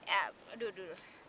ya aduh dulu